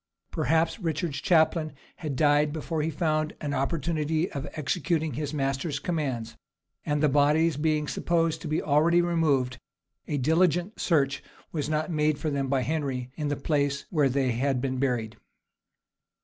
[] Perhaps Richard's chaplain had died before he found an opportunity of executing his master's commands; and the bodies being supposed to be already removed, a diligent search was not made for them by Henry in the place where they had been buried.